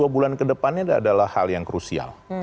dua bulan ke depannya adalah hal yang krusial